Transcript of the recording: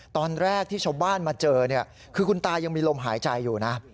ตอนแรกที่ชาวบ้านมาเจอคุณตายังมีโรงหายใจอยู่นะ